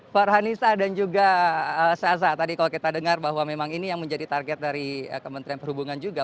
farhanisa dan juga saza tadi kalau kita dengar bahwa memang ini yang menjadi target dari kementerian perhubungan juga